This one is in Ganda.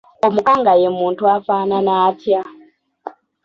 Omukanga ye muntu afaanana atya?